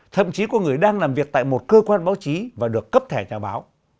thậm chí có người đang làm việc tại một cơ quan báo chí và được cấp thẻ nhà báo